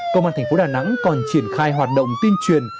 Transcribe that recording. công an thành phố đà nẵng còn triển khai hoạt động tuyên truyền